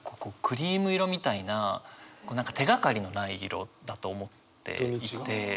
クリーム色みたいな何か手がかりのない色だと思っていて。